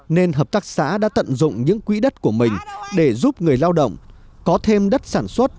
nên hợp tác xã đã tận dụng những quỹ đất của mình để giúp người lao động có thêm đất sản xuất